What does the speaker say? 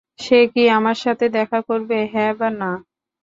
সে কি আমার সাথে দেখা করবে, হ্যাঁ বা না?